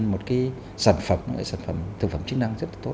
một cái sản phẩm một cái sản phẩm thực phẩm chức năng rất là tốt